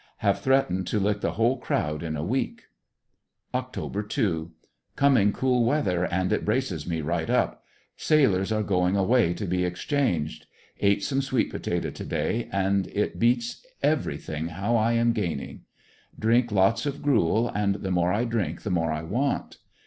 Have threatened to lick the whole crowd in a week. Oct. 2. — Coming cool weather and it braces me right up. Sail ors are going away to be exchanged. Ate some sweet potato to day, and it beats everything how I am gaining. Drink lots of gruel, and the more I drink the more I want.